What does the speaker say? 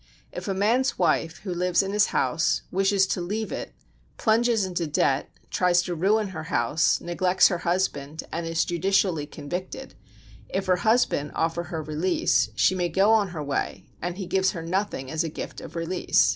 If a man's wife, who lives in his house, wishes to leave it, plunges into debt, tries to ruin her house, neglects her husband, and is judicially convicted: if her husband offer her release, she may go on her way, and he gives her nothing as a gift of release.